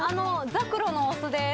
ザクロのお酢です。